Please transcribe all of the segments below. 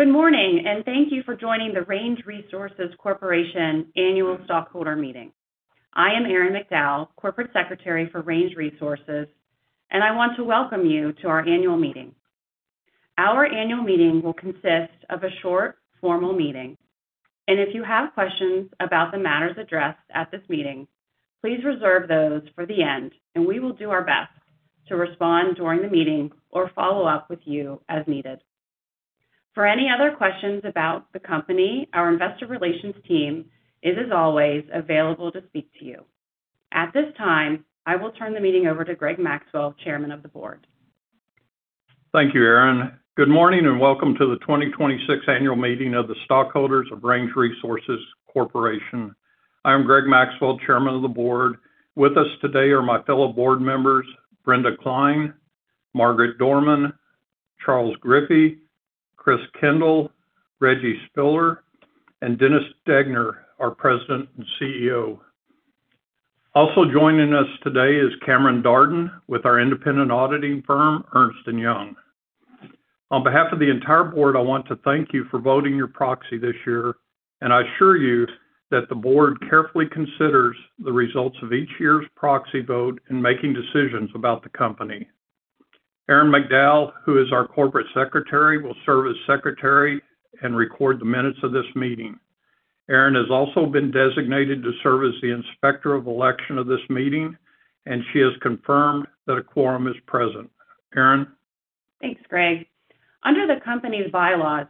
Good morning, and thank you for joining the Range Resources Corporation annual stockholder meeting. I am Erin McDowell, Corporate Secretary for Range Resources, and I want to welcome you to our annual meeting. Our annual meeting will consist of a short formal meeting. If you have questions about the matters addressed at this meeting, please reserve those for the end, and we will do our best to respond during the meeting or follow up with you as needed. For any other questions about the company, our investor relations team is, as always, available to speak to you. At this time, I will turn the meeting over to Greg Maxwell, Chairman of the Board. Thank you, Erin. Good morning and welcome to the 2026 annual meeting of the stockholders of Range Resources Corporation. I'm Greg Maxwell, Chairman of the Board. With us today are my fellow board members, Brenda Cline, Margaret Dorman, Charles Griffie, Chris Kendall, Reg Spiller, and Dennis Degner, our President and CEO. Also joining us today is Cameron Darden with our independent auditing firm, Ernst & Young. On behalf of the entire board, I want to thank you for voting your proxy this year, and I assure you that the board carefully considers the results of each year's proxy vote in making decisions about the company. Erin McDowell, who is our Corporate Secretary, will serve as secretary and record the minutes of this meeting. Erin has also been designated to serve as the Inspector of Election of this meeting, and she has confirmed that a quorum is present. Erin. Thanks, Greg. Under the company's bylaws,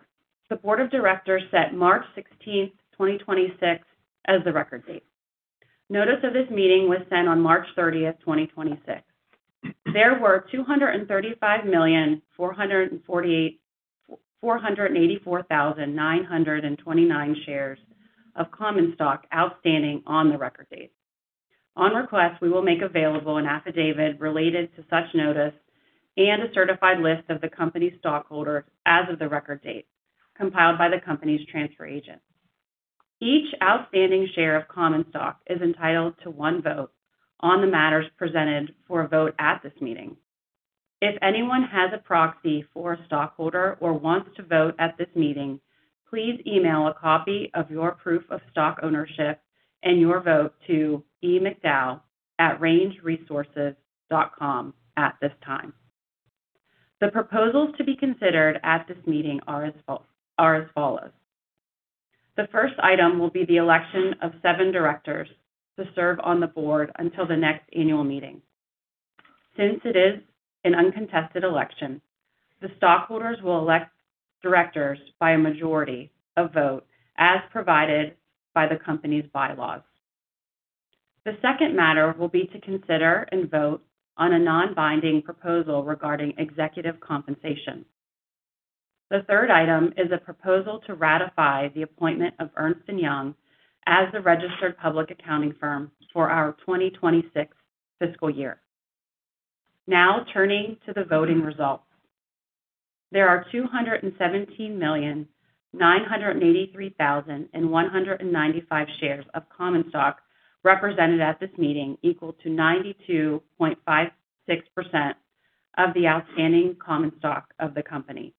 the Board of Directors set March 16, 2026, as the record date. Notice of this meeting was sent on March 30, 2026. There were 235,448,484,929 shares of common stock outstanding on the record date. On request, we will make available an affidavit related to such notice and a certified list of the company stockholder as of the record date compiled by the company's transfer agent. Each outstanding share of common stock is entitled to one vote on the matters presented for a vote at this meeting. If anyone has a proxy for a stockholder or wants to vote at this meeting, please email a copy of your proof of stock ownership and your vote to emcdowell@rangeresources.com at this time. The proposals to be considered at this meeting are as follows. The first item will be the election of seven directors to serve on the board until the next annual meeting. Since it is an uncontested election, the stockholders will elect directors by a majority of vote as provided by the company's bylaws. The second matter will be to consider and vote on a non-binding proposal regarding executive compensation. The third item is a proposal to ratify the appointment of Ernst & Young as the registered public accounting firm for our 2026 fiscal year. Turning to the voting results. There are 217,983,195 shares of common stock represented at this meeting, equal to 92.56% of the outstanding common stock of the company.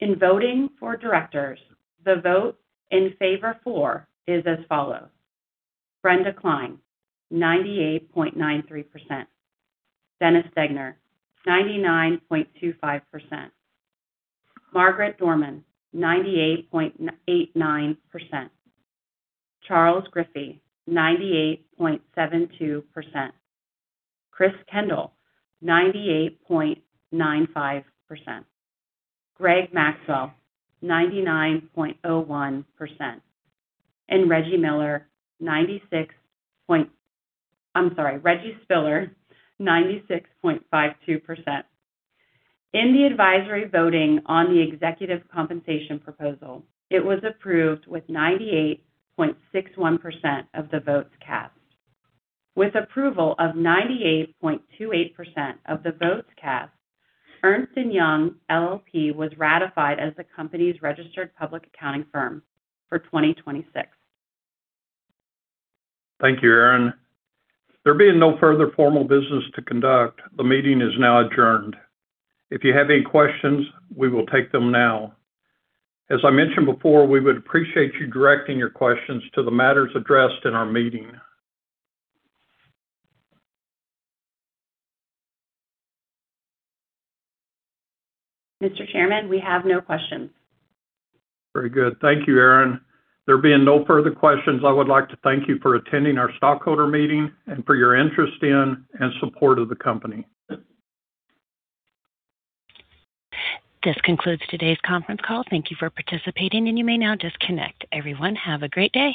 In voting for directors, the vote in favor is as follows: Brenda Cline, 98.93%; Dennis Degner, 99.25%; Margaret Dorman, 98.89%; Charles Griffie, 98.72%; Chris Kendall, 98.95%; Greg Maxwell, 99.01%; and... I'm sorry, Reginal Spiller, 96.52%. In the advisory voting on the executive compensation proposal, it was approved with 98.61% of the votes cast. With approval of 98.28% of the votes cast, Ernst & Young LLP was ratified as the company's registered public accounting firm for 2026. Thank you, Erin. There being no further formal business to conduct, the meeting is now adjourned. If you have any questions, we will take them now. As I mentioned before, we would appreciate you directing your questions to the matters addressed in our meeting. Mr. Chairman, we have no questions. Very good. Thank you, Erin. There being no further questions, I would like to thank you for attending our stockholder meeting and for your interest in and support of the company. This concludes today's conference call. Thank you for participating, and you may now disconnect. Everyone, have a great day.